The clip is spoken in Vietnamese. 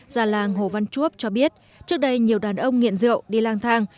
già làng hồ văn chuộc cho biết trước đây nhiều đàn ông nghiện rượu đi lang thang